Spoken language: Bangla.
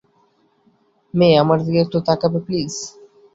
মে, আমার দিকে একটু তাকাবে, প্লিজ?